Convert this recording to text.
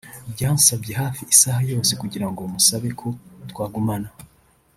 Byansabye hafi isaha yose kugira ngo musabe ko twagumana